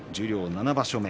７場所目